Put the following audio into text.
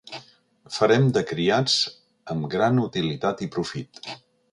Farem de criats amb gran utilitat i profit.